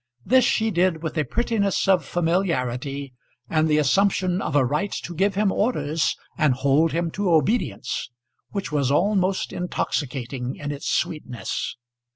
This she did with a prettiness of familiarity, and the assumption of a right to give him orders and hold him to obedience, which was almost intoxicating in its sweetness.